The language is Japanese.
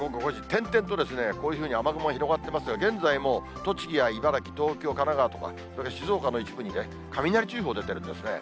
点々とこういうふうに雨雲が広がってますが、現在も栃木や茨城、東京、神奈川、静岡の一部にね、雷注意報出ているんですね。